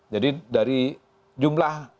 jadi dari jumlah